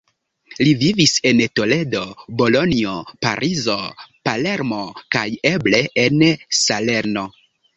Li vivis en Toledo, Bolonjo, Parizo, Palermo kaj eble en Salerno.